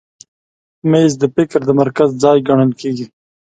مېز د فکر د مرکز ځای ګڼل کېږي.